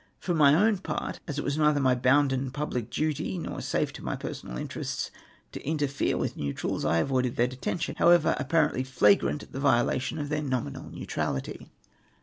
For my own part, as it was neitlier my bounden public duty, nor safe to my personal interests, to interfere with neutrals, I avoided their detention, however apparently flagrant the violation of their nominal neutrality.